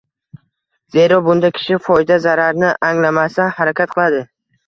Zero, bunda kishi foyda-zarni anglamasdan harakat qiladi